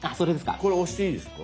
これ押していいですか？